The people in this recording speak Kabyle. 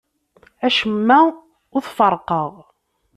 Acemma ur t-ferrqeɣ.